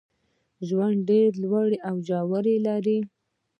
ژوند ډېري لوړي او ژوري لري.